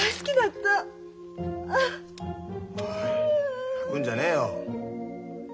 おい泣くんじゃねえよ。